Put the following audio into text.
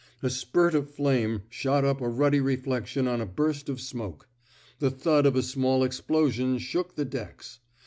A spurt of flame shot up a ruddy reflection on a burst of smoke. The thud of a small explosion shook the decks.